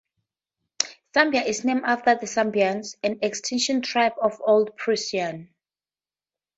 Sambia is named after the Sambians, an extinct tribe of Old Prussians.